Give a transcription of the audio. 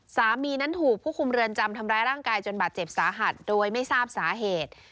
สามีนั้นถูกผู้คุมเรือนจำทำร้ายร่างกายจนบาดเจ็บสาหัสโดยไม่ทราบสาเหตุ